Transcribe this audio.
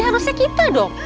harusnya kita dong